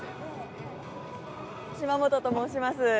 島本と申します。